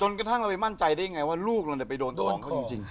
จนกระทั่งเราไม่มั่นใจได้ยังไงว่าลูกเราจะไปโดนเขาจริง